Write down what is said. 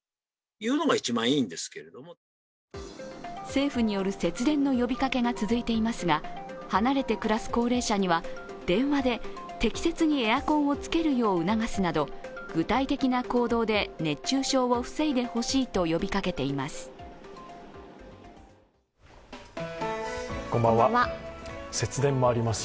政府による節電の呼びかけが続いていますが離れて暮らす高齢者には電話で適切にエアコンをつけるよう促すなど具体的な行動で熱中症を防いでほしいと呼びかけています。